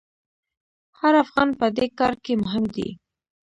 هر افغان په دې کار کې مهم دی.